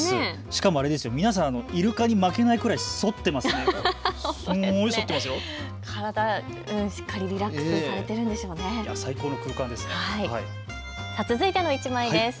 しかも皆さん、イルカに負けないくらいそっていますね。